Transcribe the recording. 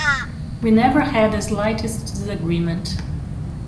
We never had the slightest disagreement.".